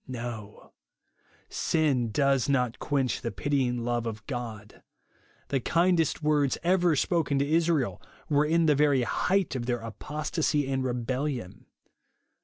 No ; sin does not quench the pitying love of God. The kindest words ever spoken to Israel were in the very height of their apostasy and rebellion.